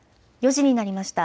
４時になりました。